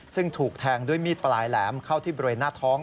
ซึ่งถูกแทงด้วยมีดปลายแหลมเข้าที่บริเวณหน้าท้อง